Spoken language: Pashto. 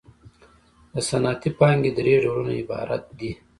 د صنعتي پانګې درې ډولونه عبارت دي